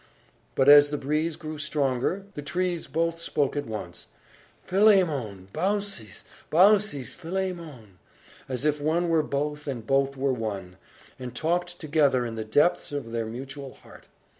But, as the breeze grew stronger, the trees both spoke at once "Philemon! Baucis! Baucis! Philemon!" as if one were both and both were one, and talked together in the depths of their mutual heart.